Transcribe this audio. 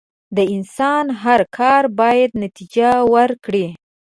د انسان هر کار بايد نتیجه ورکړي.